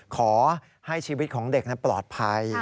ขอให้ชีวิตของเด็กนั้นปลอดภัย